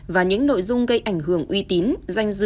và những nội dung gây ảnh hưởng uy tín danh dự